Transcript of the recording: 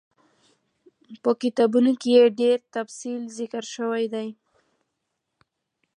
په کتابونو کي ئي ډير تفصيل ذکر شوی دی